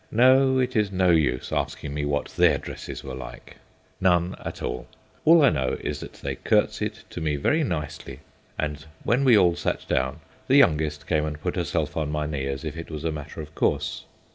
No, it is no use asking me what their dresses were like; none at all. All I know is that they curtsied to me very nicely, and that when we all sat down the youngest came and put herself on my knee as if it was a matter of course.